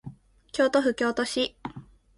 京都府京都市